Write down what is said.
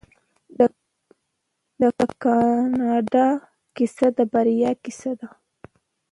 د کاناډا کیسه د بریا کیسه ده.